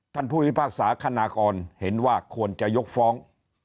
ผู้พิพากษาคณากรเห็นว่าควรจะยกฟ้อง